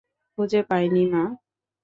খুঁজে পাইনি, মা।